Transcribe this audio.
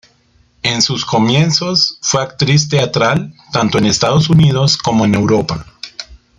En sus comienzos fue actriz teatral, tanto en Estados Unidos como en Europa.